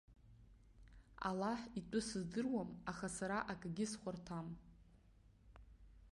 Аллаҳ итәы сыздыруам, аха сара акагьы схәарҭам!